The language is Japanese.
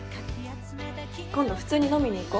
今度普通に飲みに行こ。